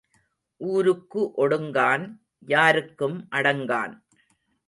ஊருக்கு ஒடுங்கான், யாருக்கும் அடங்கான்.